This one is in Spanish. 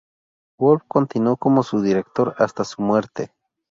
Woolf continuó como su director hasta su muerte.